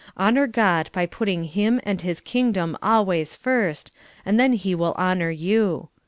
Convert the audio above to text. Honor God by putting Him and His kingdom always first, and then He will honor you.